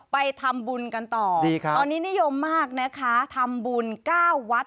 ไปทำบุญกันต่อตอนนี้นิยมมากนะคะทำบุญ๙วัด